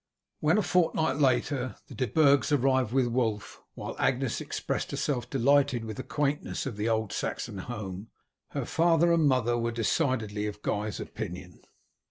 When, a fortnight later, the De Burgs arrived with Wulf, while Agnes expressed herself delighted with the quaintness of the old Saxon home, her father and mother were decidedly of Guy's opinion.